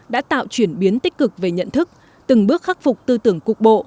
đã tạo chuyển biến tích cực về nhận thức từng bước khắc phục tư tưởng cục bộ